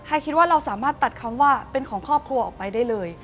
คิดว่าเราสามารถตัดคำว่าเป็นของครอบครัวออกไปได้เลย